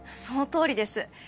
そのとおりです。